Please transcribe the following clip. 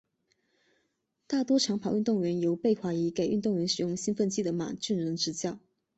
大多长跑运动员由被怀疑给运动员使用兴奋剂的马俊仁执教。